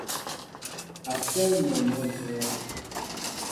A sέέl mɔ mwɛɛ ékáá.